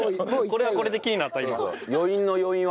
これはこれで気になった今。